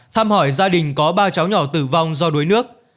thăm hỏi gia đình có ba cháu nhỏ tử vong do đuối nước